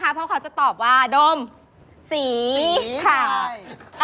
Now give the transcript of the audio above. เพราะเขาจะตอบว่าดมสีขาว